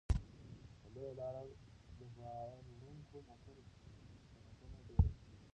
په لویه لاره د بار وړونکو موټرو ګڼه ګوڼه ډېره ده.